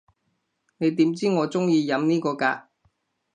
你點知我中意飲呢個㗎？